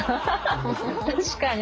確かに。